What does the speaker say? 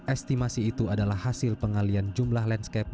estimasi itu adalah hasil pengalian jumlah landscape